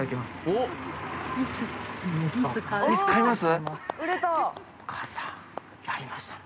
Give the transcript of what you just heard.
お母さん、やりました。